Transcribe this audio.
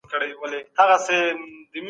امنيتي ځواکونه د فزيکي زور بېلګه ګڼل کېږي.